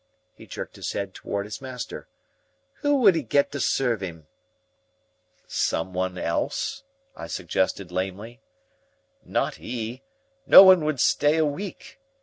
He jerked his head toward his master. "Who would 'e get to serve 'im?" "Someone else," I suggested lamely. "Not 'e. No one would stay a week.